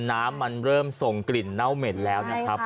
น้ำมันเริ่มส่งกลิ่นเน่าเหม็นแล้วนะครับ